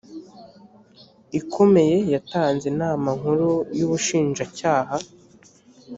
ikomeye yatanze inama nkuru y ubushinjacyaha